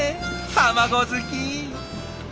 卵好き！